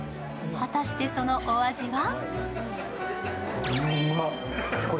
果たしてそのお味は？